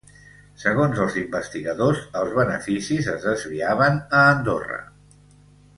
Segons els investigadors, els beneficis es desviaven a Andorra.